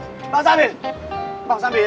aku sedang cari ikan bumbu bang